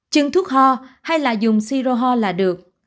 chừng thuốc ho hay là dùng siro ho là được